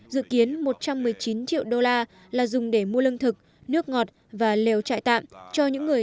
dự kiến một trăm một mươi chín triệu đô la là dùng để mua lương thực nước ngọt và lều trại tạm cho những người